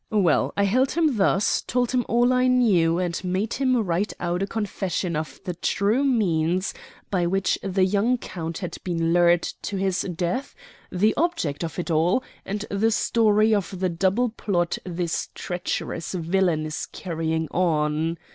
Well, I held him thus, told him all I knew, and made him write out a confession of the true means by which the young count had been lured to his death, the object of it all, and the story of the double plot this treacherous villain is carrying on.